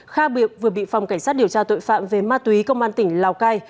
kha biệt vừa bị phòng cảnh sát điều tra tội phạm về ma túy công an tỉnh lào cai